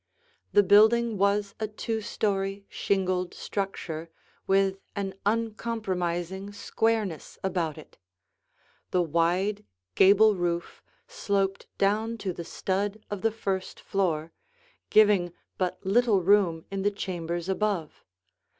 The building was a two story, shingled structure with an uncompromising squareness about it. The wide, gable roof sloped down to the stud of the first floor, giving but little room in the chambers above.